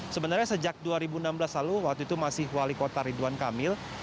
sebenarnya sejak dua ribu enam belas lalu waktu itu masih wali kota ridwan kamil